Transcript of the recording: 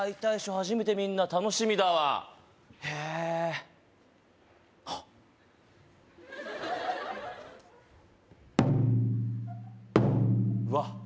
初めて見るな楽しみだわへえあっうわ